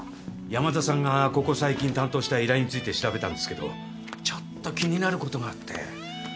山田さんがここ最近担当した依頼について調べたんですけどちょっと気になることがあって。